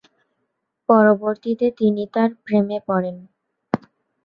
পরবর্তিতে তিনি তার প্রেমে পড়েন।